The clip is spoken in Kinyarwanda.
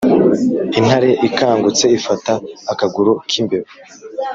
intare ikangutse ifata akaguru k'imbeba.